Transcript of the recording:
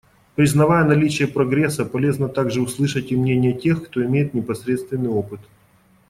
Признавая наличие прогресса, полезно также услышать и мнение тех, кто имеет непосредственный опыт.